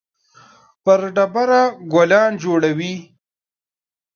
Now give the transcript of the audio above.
پر ډبره ګلان جوړوي